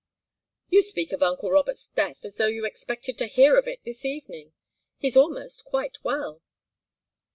"You speak of uncle Robert's death as though you expected to hear of it this evening. He's almost quite well."